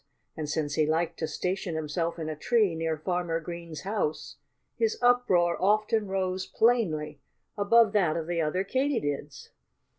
And since he liked to station himself in a tree near Farmer Green's house, his uproar often rose plainly above that of the other Katydids.